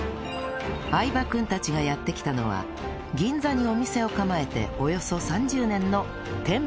相葉君たちがやって来たのは銀座にお店を構えておよそ３０年のてんぷら近藤